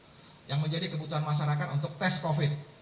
yang pertama adalah yang menjadi kebutuhan masyarakat untuk test covid